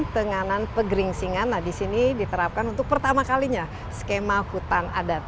tenganan pegering singan nah disini diterapkan untuk pertama kalinya skema hutan adat